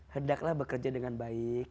hendaklah bekerja dengan baik